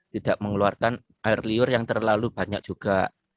tidak mengeluarkan air liur yang terlalu banyak juga